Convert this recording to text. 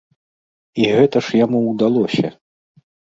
І гэта ж яму ўдалося!